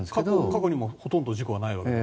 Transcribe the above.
過去にもほとんど事故はないし。